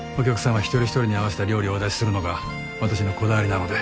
一人一人に合わせた料理をお出しするのが私のこだわりなので。